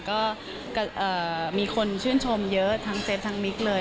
ก็มีคนชื่นชมเยอะทั้งเซฟทั้งมิกเลย